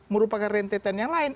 merupakan rentetan yang lain